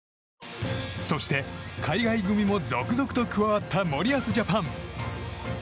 そして、海外組も続々と加わった森保ジャパン。